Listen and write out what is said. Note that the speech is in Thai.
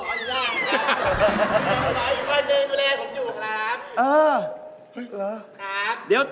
แต่ว่าใครดูแลใครฮะเนี่ย